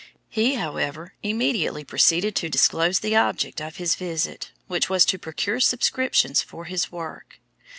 He, however, immediately proceeded to disclose the object of his visit, which was to procure subscriptions for his work.